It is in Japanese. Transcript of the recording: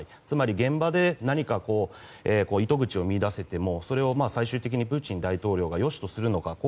つまり現場で何か糸口を見いだせてもそれを最終的にプーチン大統領が良しとするのか